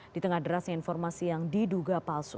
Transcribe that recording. di tengah derasnya informasi yang diduga palsu